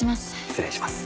失礼します。